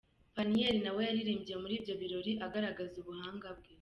Peniel nawe yaririmbye muri ibyo birori agaragaza ubuhanga bwe.